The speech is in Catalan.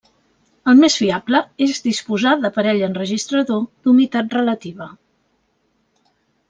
El més fiable és disposar d’aparell enregistrador d’humitat relativa.